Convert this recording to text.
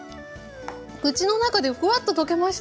口の中でふわっと溶けました。